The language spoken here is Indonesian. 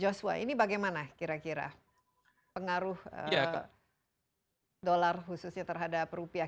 joshua ini bagaimana kira kira pengaruh dolar khususnya terhadap rupiah